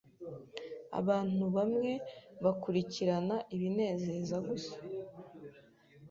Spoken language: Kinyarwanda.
Abantu bamwe bakurikirana ibinezeza gusa.